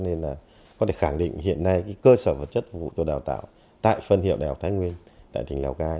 nên là có thể khẳng định hiện nay cơ sở vật chất phục vụ tôi đào tạo tại phân hiệu đại học thái nguyên tại tỉnh lào cai